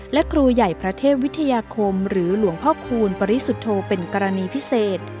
และครูใหญ่พระเทพวิทยาคมหรือหลวงพ่อคูณปริสุทธโธเป็นกรณีพิเศษ